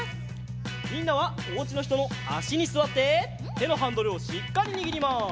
みんなはおうちのひとのあしにすわっててのハンドルをしっかりにぎります。